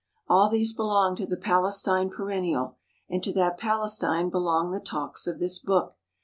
All these belong to the Palestine perennial, and to that Palestine belong the talks of this book.